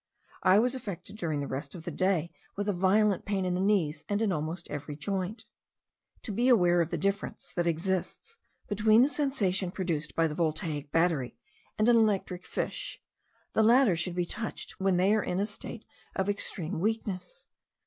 I was affected during the rest of the day with a violent pain in the knees, and in almost every joint. To be aware of the difference that exists between the sensation produced by the Voltaic battery and an electric fish, the latter should be touched when they are in a state of extreme weakness.